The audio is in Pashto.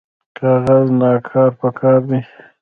کاغذ نه کار پکار دی